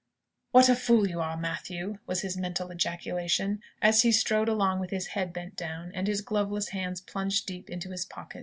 "What a fool you are, Matthew!" was his mental ejaculation, as he strode along with his head bent down, and his gloveless hands plunged deep into his pockets.